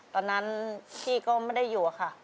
ตอนนั้นพี่ก็ไม่ได้อยู่อะค่ะ